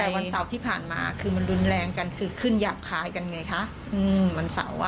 แต่วันเสาร์ที่ผ่านมาคือมันรุนแรงกันคือขึ้นหยาบคายกันไงคะวันเสาร์